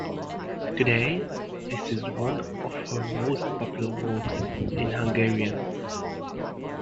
Today, this is one of her most popular works in Hungarian.